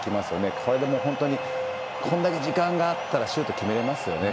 これでもう本当にこれだけ時間があったらシュート決めれますよね。